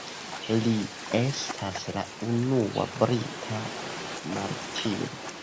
Li estas la unua brita martiro.